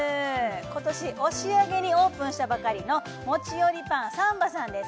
今年押上にオープンしたばかりのもちよりぱんＳＡＭＢＡさんです